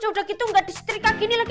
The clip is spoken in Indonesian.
udah gitu gak disetrika gini lagi